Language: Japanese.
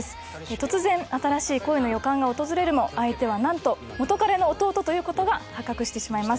突然新しい恋の予感が訪れるも相手は何と元カレの弟ということが発覚してしまいます